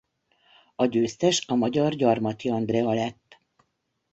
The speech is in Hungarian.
A győztes a magyar Gyarmati Andrea lett.